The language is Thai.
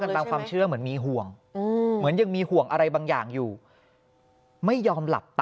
เบือกพรุงเลยใช่ไหม